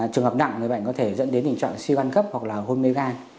trường hợp nặng người bệnh có thể dẫn đến tình trạng siu ăn cấp hoặc là hôn mê gan